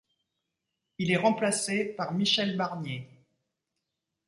Il est remplacé par Michel Barnier.